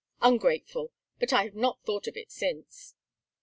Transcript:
Ungrateful but I have not thought of it since."